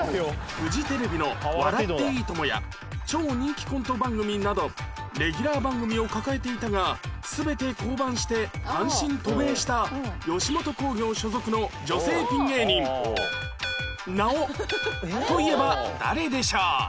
フジテレビの『笑っていいとも！』や超人気コント番組などレギュラー番組を抱えていたが全て降板して単身渡米した吉本興業所属の女性ピン芸人「直」といえば誰でしょう？